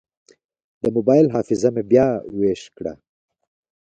د موبایل حافظه مې بیا ویش کړه.